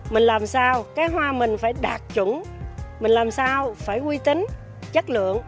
mình làm sao cái hoa mình phải đạt chuẩn mình làm sao phải quy tính chất lượng